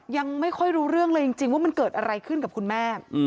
ยังไม่ค่อยรู้เรื่องเลยจริงว่ามันเกิดอะไรขึ้นกับคุณแม่